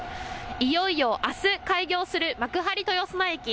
いよいよあす開業する幕張豊砂駅。